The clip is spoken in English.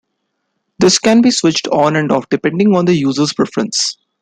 These can be switched on and off depending on the user's preference.